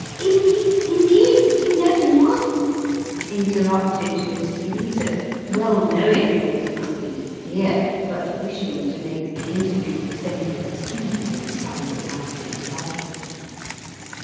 Indeed, indeed, you know him not !" interrupted Miss Teresa, well knowing there was nothing to fear, but wishing to make the interview resemble a scene in some romantic novel.